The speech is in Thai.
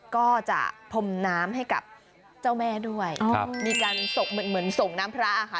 ก็จะพรมน้ำให้กับเจ้าแม่ด้วยมีการสกเหมือนส่งน้ำพระค่ะ